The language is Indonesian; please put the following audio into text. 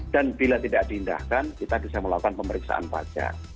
dan bila tidak diindahkan kita bisa melakukan pemeriksaan pajak